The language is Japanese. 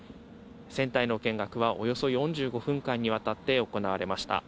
船体の見学は、およそ４５分間に渡って行われました。